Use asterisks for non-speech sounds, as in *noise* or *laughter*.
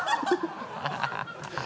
ハハハ *laughs*